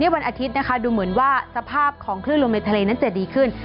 วันอาทิตย์นะคะดูเหมือนว่าสภาพของคลื่นลมในทะเลนั้นจะดีขึ้น